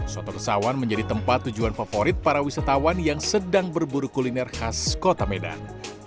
soto kesawan menjadi tempat tujuan favorit para wisatawan yang sedang berburu kuliner khas kota medan